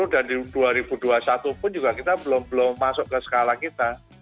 dua ribu dua puluh dan dua ribu dua puluh satu pun juga kita belum masuk ke skala kita